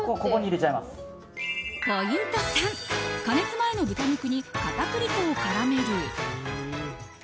ポイント３加熱前の豚肉に片栗粉を絡める。